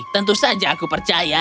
tentu saja aku percaya